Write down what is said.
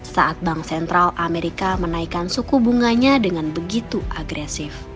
saat bank sentral amerika menaikkan suku bunganya dengan begitu agresif